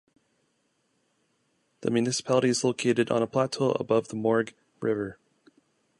The municipality is located on a plateau above the Morges river.